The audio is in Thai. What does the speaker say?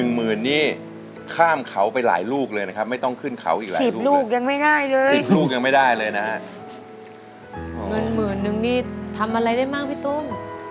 หมื่นนี้ทำอะไรได้มากพี่ตุ้ม